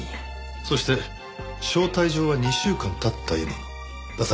そして招待状は２週間経った今も出されていない。